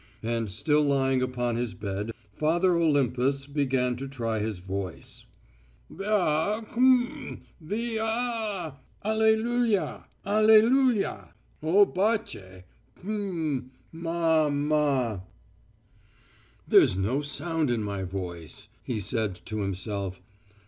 And, still lying upon his bed, Father Olympus began to try his voice. "Via ... kmm! Via a a! Alleluia, alleluia. ... Oba che ... kmm.... Ma ma...." "There's no sound in my voice," he said to himself.